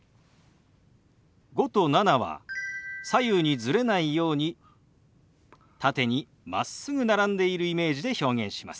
「５」と「７」は左右にズレないように縦にまっすぐ並んでいるイメージで表現します。